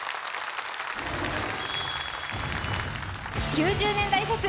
９０年代フェス。